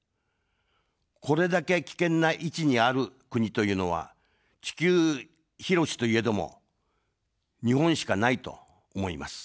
これだけ危険な位置にある国というのは、地球広しといえども日本しかないと思います。